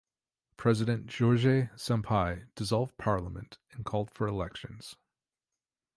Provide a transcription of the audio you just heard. President Jorge Sampaio dissolved Parliament and called for elections.